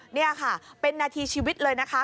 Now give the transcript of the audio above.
นี่ค่ะเป็นนาทีชีวิตเลยนะคะ